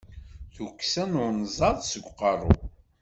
D tukksa n unẓaḍ seg uqeṛṛu.